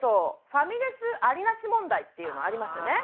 ファミレスありなし問題っていうのがありますよね。